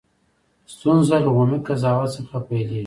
ستونزه له عمومي قضاوت څخه پیلېږي.